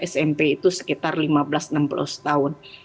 smp itu sekitar lima belas enam belas tahun